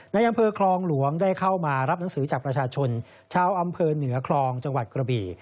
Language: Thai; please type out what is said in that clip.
ในอำเภอคลองหลวงได้เข้ามารับหนังสือจากประชาชนชาวอำเภอเหนือคลองจังหวัดกระบี่